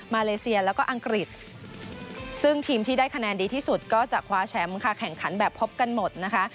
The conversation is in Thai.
เลเซียแล้วก็อังกฤษซึ่งทีมที่ได้คะแนนดีที่สุดก็จะคว้าแชมป์ค่ะแข่งขันแบบพบกันหมดนะคะ